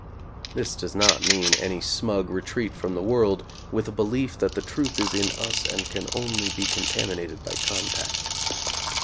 This does not mean any smug retreat from the world, with a belief that the truth is in us and can only be contam inated by contact.